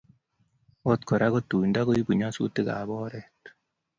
Agot Kora ko tuindo koibu nyasutikab oret